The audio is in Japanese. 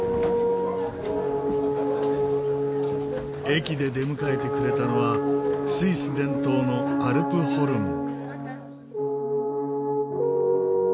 駅で出迎えてくれたのはスイス伝統のアルプホルン。